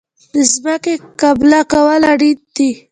د ځمکې قلبه کول اړین دي.